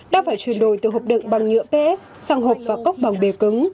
đã phải truyền đổi từ hộp đựng bằng nhựa ps sang hộp và cốc bằng bề cứng